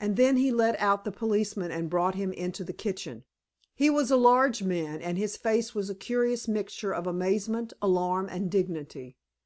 And then he let out the policeman and brought him into the kitchen. He was a large man, and his face was a curious mixture of amazement, alarm and dignity.